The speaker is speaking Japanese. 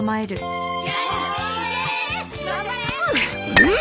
うん！